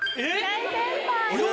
大先輩！